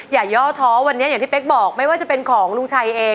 อย่าย่อท้ออย่างเป๊บบอกไม่ว่าเป็นของลุงชัย